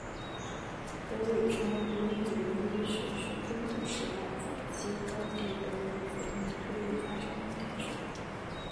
德语成为独立语言的历史是中古时代早期高地德语子音推移发生后开始的。